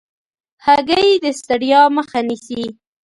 هګۍ د ستړیا مخه نیسي.